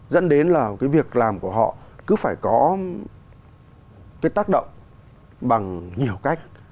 dẫn đến là cái việc làm của họ cứ phải có cái tác động bằng nhiều cách